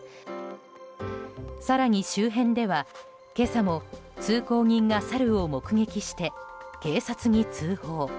更に周辺では、今朝も通行人がサルを目撃して警察に通報。